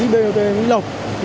bot mỹ lộc